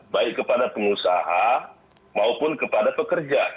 baik kepada pengusaha maupun kepada pekerja